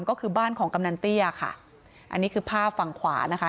ก็คือบ้านของกำนันเตี้ยค่ะอันนี้คือภาพฝั่งขวานะคะ